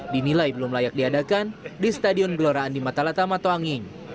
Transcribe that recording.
dinilai belum layak diadakan di stadion gelora andi matalata matuanging